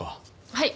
はい。